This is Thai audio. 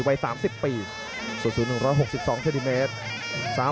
วัย๓๐ปีสูตรศูนย์๑๖๒เซติเมตร